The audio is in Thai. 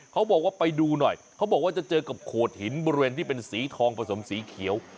เขาบอกว่าไปดูหน่อยเขาบอกว่าจะเจอกับโขดหินบริเวณที่เป็นสีทองผสมสีเขียว